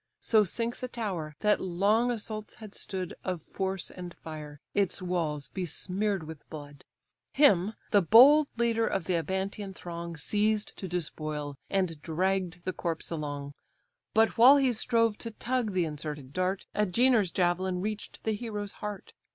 So sinks a tower, that long assaults had stood Of force and fire, its walls besmear'd with blood. Him, the bold leader of the Abantian throng, Seized to despoil, and dragg'd the corpse along: But while he strove to tug the inserted dart, Agenor's javelin reach'd the hero's heart.